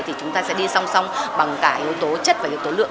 thì chúng ta sẽ đi song song bằng cả yếu tố chất và yếu tố lượng